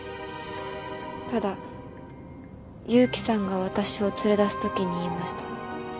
ただ勇気さんが私を連れ出すときに言いました。